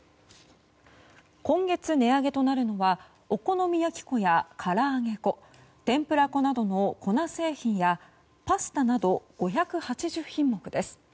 今月値上げとなるのはお好み焼き粉や、から揚げ粉天ぷら粉などの粉製品やパスタなど５８０品目です。